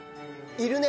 いるね。